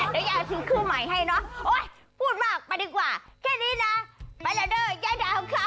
เดี๋ยวย่ายซื้อขึ้นใหม่ให้เนอะโอ๊ยพูดมากไปดีกว่าแค่นี้นะไปละเด้อย่ายด่าของเขา